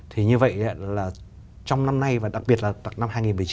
thì như vậy là trong năm nay và đặc biệt là năm hai nghìn một mươi chín